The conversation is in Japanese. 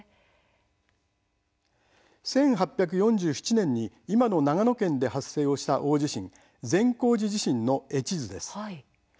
１８４７年に今の長野県で発生をした大地震、善光寺地震の絵地図です。